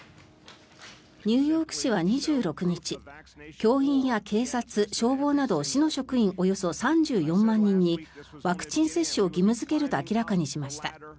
ニューヨーク市は２６日教員や警察、消防など市の職員およそ３４万人にワクチン接種を義務付けると明らかにしました。